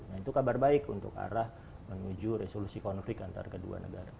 nah itu kabar baik untuk arah menuju resolusi konflik antara kedua negara